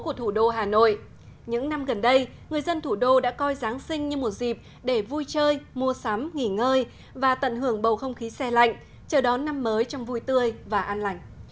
những năm gần đây người dân thủ đô đã coi giáng sinh như một dịp để vui chơi mua sắm nghỉ ngơi và tận hưởng bầu không khí xe lạnh chờ đón năm mới trong vui tươi và an lạnh